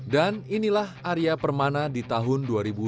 dan inilah arya permana di tahun dua ribu dua puluh dua